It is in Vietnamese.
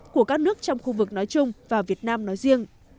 của các nước trong khu vực nói chung và việt nam nói riêng